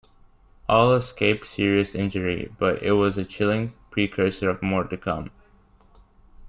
All escaped serious injury, but it was a chilling precursor of more to come.